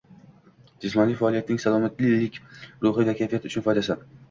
Jismoniy faollikning salomatlik, ruhiyat va kayfiyat uchun foydasi